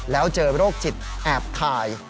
แล้วเจอโรคจิตแอบถ่าย